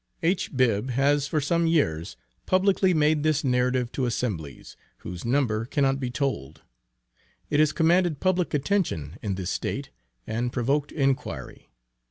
H. Bibb has for some years publicly made this narrative to assemblies, whose number cannot be told; it has commanded public attention in this State, and provoked inquiry.